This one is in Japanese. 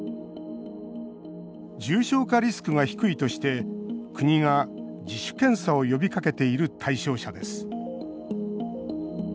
重症化リスクが低いとして国が自主検査を呼びかけている対象者です。